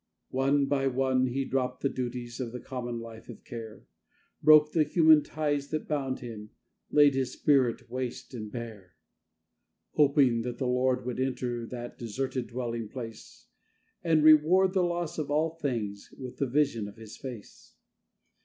One by one he dropped the duties of the common life of care, Broke the human ties that bound him, laid his spirit waste and bare, Hoping that the Lord would enter that deserted dwelling place, And reward the loss of all things with the vision of His face.